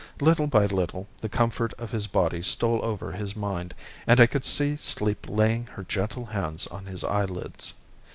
Little by little the comfort of his body stole over his mind, and I could see sleep laying her gentle hands on his eyelids.